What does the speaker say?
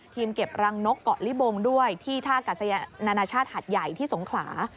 เก็บรังนกเกาะลิบงด้วยที่ท่ากัศยานานาชาติหัดใหญ่ที่สงขลา